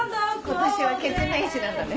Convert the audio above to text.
今年はケツメイシなんだね。